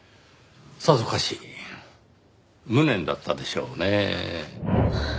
さぞかし無念だったでしょうねぇ。